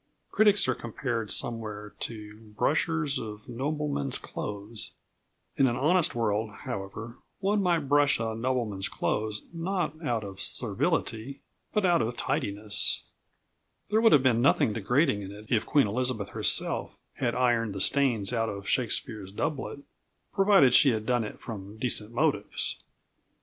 Critics are compared somewhere to "brushers of noblemen's clothes." In an honest world, however, one might brush a nobleman's clothes not out of servility, but out of tidiness. There would have been nothing degrading in it if Queen Elizabeth herself had ironed the stains out of Shakespeare's doublet, provided she had done it from decent motives.